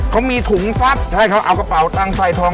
เค้ามีถุงสัตว์เอากระเป๋าใส่ทอง